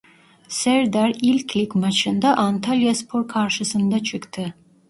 Serdar ilk lig maçında Antalyaspor karşısında çıktı.